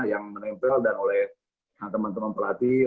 yang menempel dan oleh teman teman pelatih